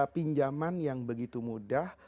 pinjaman yang begitu mudah